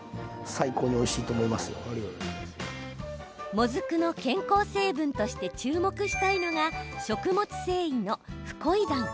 もずくの健康成分として注目したいのが食物繊維のフコイダン。